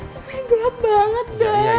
semuanya gelap banget dad